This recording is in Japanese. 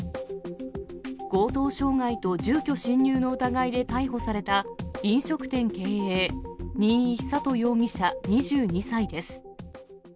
強盗傷害と住居侵入の疑いで逮捕された飲食店経営、新居秀道容疑者２２歳です。